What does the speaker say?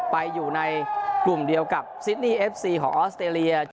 ไปอยู่ในกลุ่มเดียวกับซิดนี่เอฟซีของออสเตรเลีย